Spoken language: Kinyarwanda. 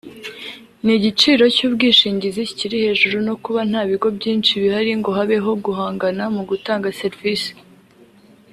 ni igiciro cy’ubwishingizi kikiri hejuru no kuba nta bigo byinshi bihari ngo habeho guhangana mu gutanga serivisi